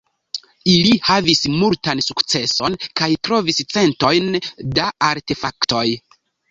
Ili havis multan sukceson kaj trovis centojn da artefaktoj.